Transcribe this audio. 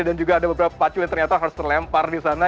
dan juga ada beberapa pacu yang ternyata harus terlempar di sana